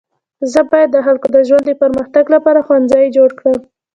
زه باید د خلکو د ژوند د پرمختګ لپاره ښوونځی جوړه کړم.